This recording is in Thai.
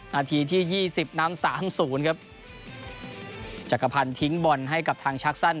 นาทีที่ยี่สิบน้ำสามศูนย์ครับจักรพันธ์ทิ้งบอลให้กับทางชักสั้น